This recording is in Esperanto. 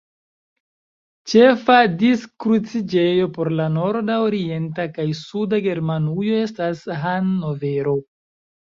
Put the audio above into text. Ĉefa diskruciĝejo por la norda, orienta kaj suda Germanujo estas Hannovero.